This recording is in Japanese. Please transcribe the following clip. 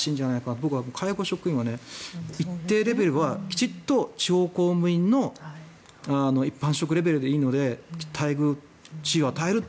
僕は介護職員は一定レベルはきちんと地方公務員の一般職レベルでいいので待遇、地位を与えると。